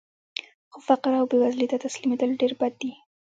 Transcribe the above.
خو فقر او بېوزلۍ ته تسلیمېدل ډېر بد دي